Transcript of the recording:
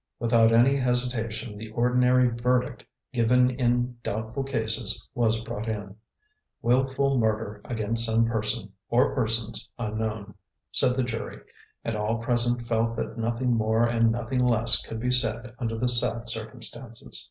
Without any hesitation the ordinary verdict given in doubtful cases was brought in: "Wilful murder against some person, or persons, unknown," said the jury, and all present felt that nothing more and nothing less could be said under the sad circumstances.